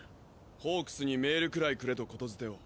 ホークスにメールくらいくれと言伝を。